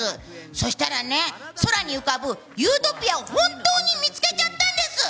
そしたらね、空に浮かぶユートピアを本当に見つけちゃったんです！